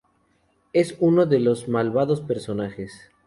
Es uno de los más malvados personajes.